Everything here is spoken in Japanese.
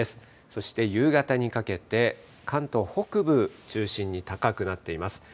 そして夕方にかけて、関東北部中心に高くなっています。